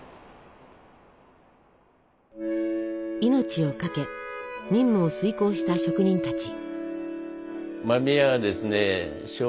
命を懸け任務を遂行した職人たち。